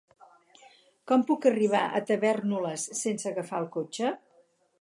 Com puc arribar a Tavèrnoles sense agafar el cotxe?